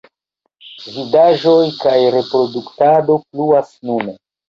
Vidaĵoj kaj reproduktado pluas nune.